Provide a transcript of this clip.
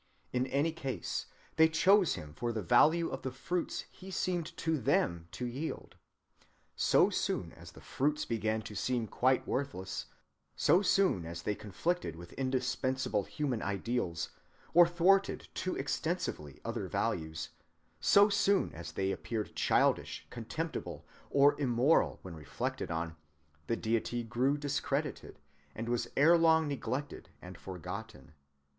In any case, they chose him for the value of the fruits he seemed to them to yield. So soon as the fruits began to seem quite worthless; so soon as they conflicted with indispensable human ideals, or thwarted too extensively other values; so soon as they appeared childish, contemptible, or immoral when reflected on, the deity grew discredited, and was erelong neglected and forgotten.